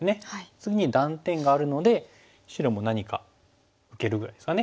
次に断点があるので白も何か受けるぐらいですかね。